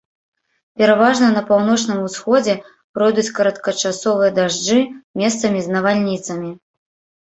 Пераважна на паўночным усходзе пройдуць кароткачасовыя дажджы, месцамі з навальніцамі.